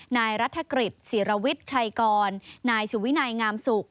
นายรัฐกฤษศิรวิทย์ชัยกรนายสุวินัยงามสุข